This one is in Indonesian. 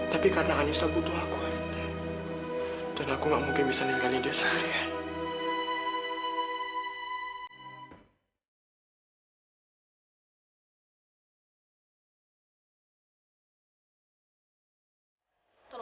tapi karena anissa butuh aku dan aku tidak mungkin bisa meninggalkan dia sendirian